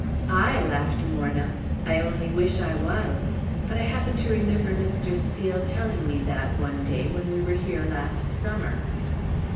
"I?" laughed Morna. "I only wish I was; but I happen to remember Mr. Steel telling me that one day when we were here last summer."